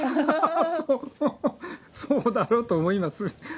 そうだろうと思います。